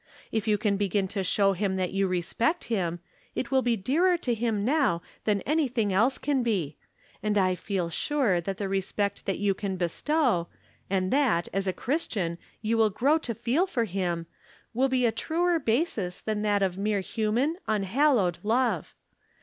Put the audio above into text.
If you can begin to show him that you respect him, it will be dearer to him now than anything else can be ; and I feel sure that the respect that you can bestow, and that, as a Christian, you will grow to feel for him, will be a truer basis than that of mere human, unhal lowed love.